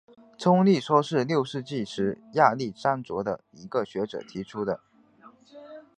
冲力说是六世纪时亚历山卓的一个学者提出的。